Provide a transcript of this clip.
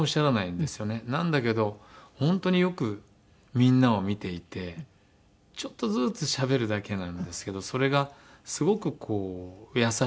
なんだけど本当によくみんなを見ていてちょっとずつしゃべるだけなんですけどそれがすごくこう優しくて。